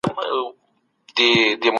رسول الله د عدل تله تل برابره ساتله.